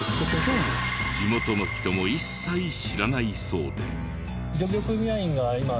地元の人も一切知らないそうで。